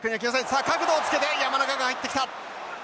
さあ角度をつけて山中が入ってきた！